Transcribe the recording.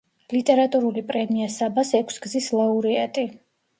ლიტერატურული პრემია „საბას“ ექვსგზის ლაურეატი.